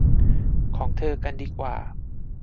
ของเธอกันดีกว่า